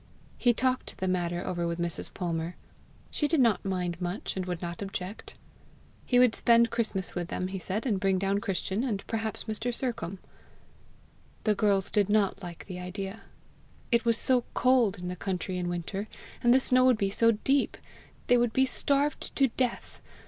He talked the matter over with Mrs. Palmer. She did not mind much, and would not object. He would spend Christmas with them, he said, and bring down Christian, and perhaps Mr. Sercombe. The girls did not like the idea. It was so cold in the country in winter, and the snow would be so deep! they would be starved to death!